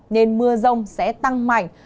nên mưa rông sẽ tăng mạnh